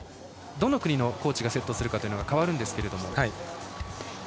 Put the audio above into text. どの国のコーチがセットするかが変わるんですけれども。